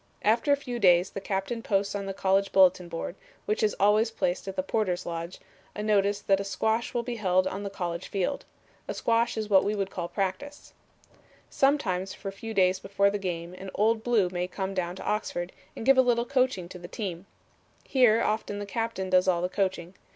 After a few days the captain posts on the college bulletin board, which is always placed at the Porter's Lodge, a notice that a squash will be held on the college field. A squash is what we would call practice. [Illustration: "THE NEXT DAY THE PICTURE WAS GONE" Jim Cooney Making a Hole for Dana Kafer.] "Sometimes for a few days before the game an Old Blue may come down to Oxford and give a little coaching to the team. Here often the captain does all the coaching.